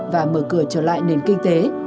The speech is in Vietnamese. và mở cửa trở lại nền kinh tế